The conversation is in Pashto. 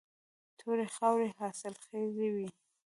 تورې خاورې حاصلخیزې وي.